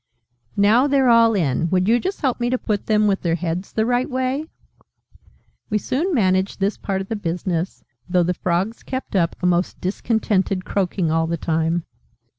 Now they're all in. Would you just help me to put them with their heads the right way?" We soon managed this part of the business, though the Frogs kept up a most discontented croaking all the time.